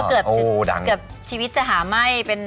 เกือบชีวิตจะหาไหม้เป็น